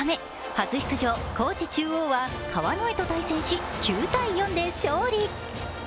初出場・高知中央は川之江と対戦し９−４で勝利。